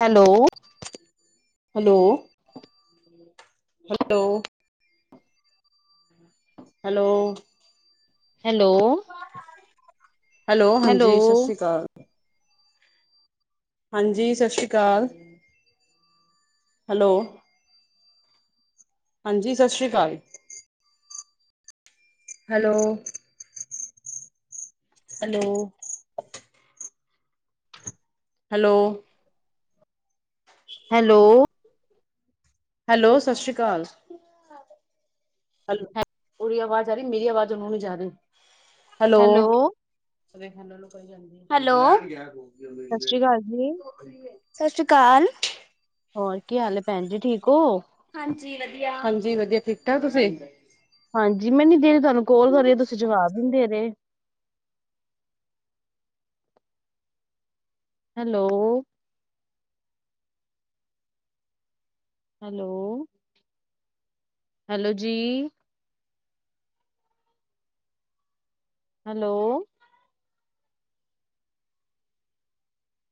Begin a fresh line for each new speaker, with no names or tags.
Hello.
Hello, hello. Hello.
Hello.
Hello, ਹਾਂਜੀ ਸਸਰੀ ਕਾਲ। ਹਾਂਜੀ, ਸਾਸਰੀ ਕਾਲ ਹੈਲੋ। ਹਾਂਜੀ, ਸਸਰੀ ਕਾਲ। Hello. Hello. Hello.
Hello.
Hello, ਸਤਿ ਸ਼੍ਰੀ ਕਾਲ। ਹੈਲੋ, ਓਦੀ ਆਵਾਜ਼ ਆ ਰੀ, ਮੇਰੀ ਆਵਾਜ਼ ਓਨੂੰ ਨੀ ਜਾ ਰੀ। Hello, hello.
ਸਾਸਰੀ ਕਾਲ ਜੀ।
ਸਾਸਰੀ ਕਾਲ।
ਹੋਰ ਕੀ ਹਾਲ ਹੈ ਭੈਣ ਜੀ ਠੀਕ ਹੋ?
ਹਾਂਜੀ, ਵਧੀਆ ਹਾਂਜੀ ਵਧੀਆ ਠੀਕ ਠਾਕ ਤੁਸੀਂ।
ਹਾਂਜੀ, ਮੈਂ ਐਨੀ ਦੇਰ ਦੀ ਤੁਹਾਨੂੰ ਕੋਲ ਕਰ ਰਹੀ ਤੁਸੀਂ ਜਵਾਬ ਹੀ ਨਹੀਂ ਦੇ ਰਹੇ। ਹੈਲੋ। ਹੈਲੋ ਹੈਲੋ ਜੀ। ਹੈਲੋ।